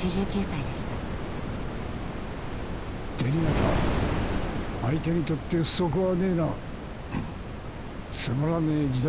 銭形、相手にとって不足はねえな。